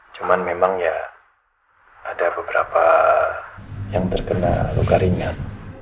cuman memang ya ada beberapa yang terkena luka ringan